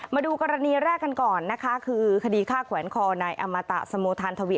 มาดูกรณีแรกกันก่อนนะคะคือคดีฆ่าแขวนคอนายอมตะสโมทานทวี